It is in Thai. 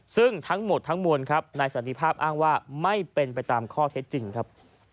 ซึ่งทั้งหมดทั้งมวลครับนายสันติภาพอ้างว่าไม่เป็นไปตามข้อเท็จจริงครับ